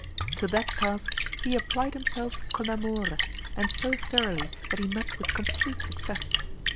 To that task he applied himself con amore; and so thoroughly that he met with complete success.